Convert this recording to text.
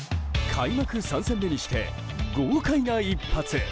開幕３戦目にして豪快な一発！